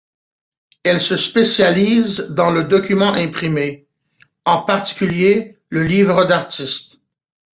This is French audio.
Elle se spécialise dans le document imprimé, en particulier le livre d’artiste.